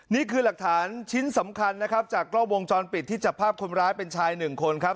นี่คือหลักฐานชิ้นสำคัญนะครับจากกล้องวงจรปิดที่จับภาพคนร้ายเป็นชายหนึ่งคนครับ